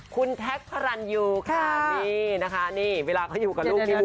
คุณแท็กพารันอยู่ค่ะนี่นะคะนี่เวลาเขาอยู่กับลูกมีมุมอ่อนโยนนะ